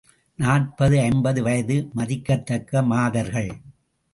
நாற்பது, ஐம்பது வயது மதிக்கத்தக்க மாதர்கள்.